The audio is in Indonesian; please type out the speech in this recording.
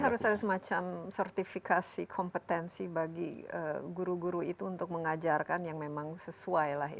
jadi harus ada semacam sertifikasi kompetensi bagi guru guru itu untuk mengajarkan yang memang sesuai lah